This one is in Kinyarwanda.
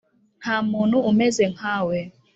nta muntu umeze nkawe